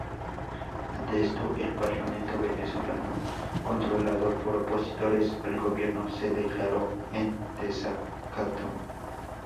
Ante esto el Parlamento venezolano, controlado por opositores al Gobierno, se declaró en desacato.